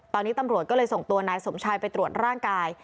ตอนนี้ตำรวจก็เลยส่งตัวนายสมชายไปตรวจร่างกาย